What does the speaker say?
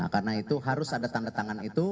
karena itu harus ada tanda tangan itu